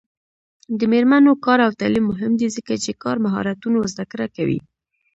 د میرمنو کار او تعلیم مهم دی ځکه چې کار مهارتونو زدکړه کوي.